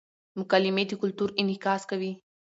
مکالمې د کلتور انعکاس کوي.